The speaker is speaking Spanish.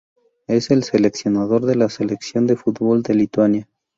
Es el seleccionador de la selección de fútbol de Lituania.